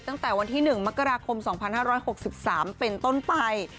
ตั้งแต่วันที่๑มกราคม๒๕๖๓เป็นต้นไป